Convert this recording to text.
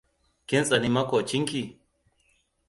Kin tsani makocinki?